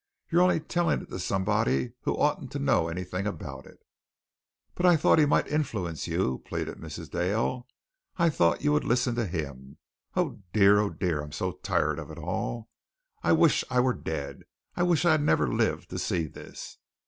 You're only telling it to somebody who oughtn't to know anything about it." "But I thought he might influence you," pleaded Mrs. Dale. "I thought you would listen to him. Oh, dear, oh, dear. I'm so tired of it all. I wish I were dead. I wish I had never lived to see this."